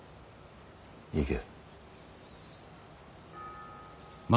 行け。